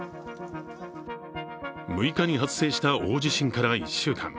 ６日に発生した大地震から１週間。